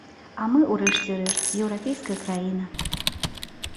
А мы, у рэшце рэшт, еўрапейская краіна.